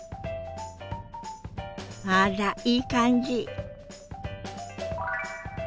あらいい感じ！